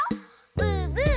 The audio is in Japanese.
ブーブー。